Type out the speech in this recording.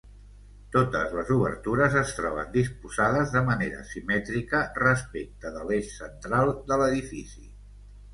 Totes les obertures es troben disposades de manera simètrica respecte de l’eix central de l’edifici.